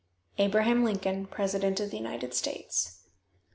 "ABRAHAM LINCOLN, "_President of the United States.